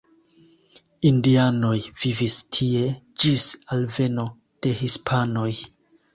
Indianoj vivis tie ĝis alveno de hispanoj.